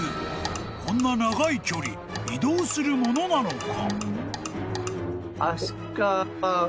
［こんな長い距離移動するものなのか？］